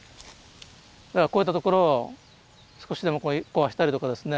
だからこういった所を少しでも壊したりとかですね